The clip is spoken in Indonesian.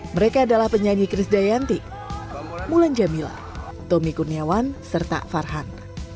mereka adalah penyanyi chris dayanti mulan jamila tommy kurniawan serta farhan